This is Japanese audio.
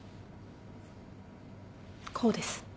こうです。